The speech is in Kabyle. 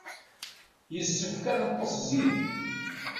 Yessefk ad neṭṭes zik.